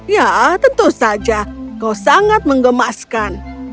ya tentu saja kau sangat mengemaskan